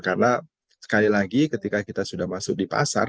karena sekali lagi ketika kita sudah masuk di pasar